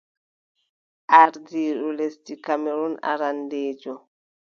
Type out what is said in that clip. Ardiiɗo lesdi Kamerun arandeejo.